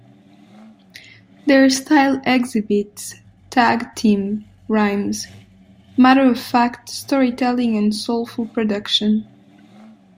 Their style exhibits tag-team rhymes, matter-of-fact storytelling and a soulful production.